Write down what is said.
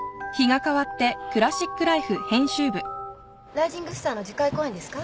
ライジングスターの次回公演ですか？